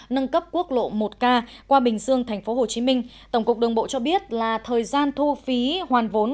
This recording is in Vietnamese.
nâng cấp quốc lộ một k qua bình dương tp hcm tổng cục đường bộ cho biết là thời gian thu phí hoàn vốn